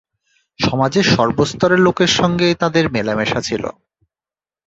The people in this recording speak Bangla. সমাজের সর্বস্তরের লোকের সঙ্গেই তাঁদের মেলামেশা ছিল।